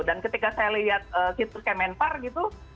dan ketika saya lihat situs kemenpar gitu